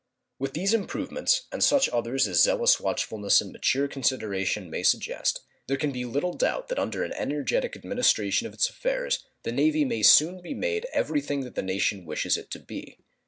With these improvements, and such others as zealous watchfulness and mature consideration may suggest, there can be little doubt that under an energetic administration of its affairs the Navy may soon be made every thing that the nation wishes it to be.